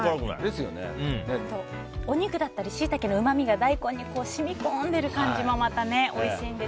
お肉だったりシイタケのうまみが大根に染み込んでいる感じもまたおいしいんですよね。